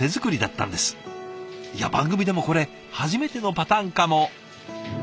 いや番組でもこれ初めてのパターンかも。